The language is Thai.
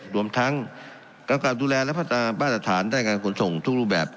รวมทั้งกำกับดูแลและพัฒนามาตรฐานด้านการขนส่งทุกรูปแบบ